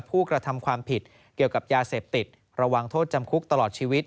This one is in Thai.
ผู้กระทำความผิดเกี่ยวกับยาเสพติดระวังโทษจำคุกตลอดชีวิต